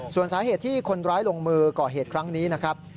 ส่วนสาเหตุที่คนร้ายลงมือก่อเหตุครั้งนี้นะครับ